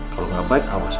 kalau nggak baik awas